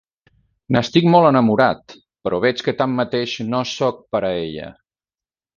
N'estic molt enamorat, però veig que tanmateix no soc per a ella.